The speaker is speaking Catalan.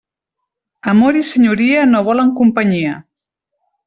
Amor i senyoria no volen companyia.